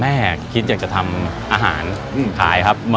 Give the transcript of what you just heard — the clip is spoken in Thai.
คิดอยากจะทำอาหารขายครับ